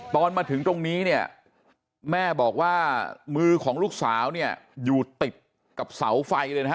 ตอนมาถึงตรงนี้เนี่ยแม่บอกว่ามือของลูกสาวเนี่ยอยู่ติดกับเสาไฟเลยนะฮะ